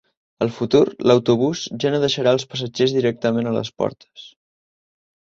Al futur, l'autobús ja no deixarà als passatgers directament a les portes.